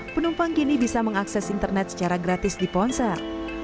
penumpang kini bisa mengakses internet secara gratis di ponsel